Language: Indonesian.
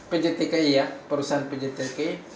pjtki ya perusahaan pjtki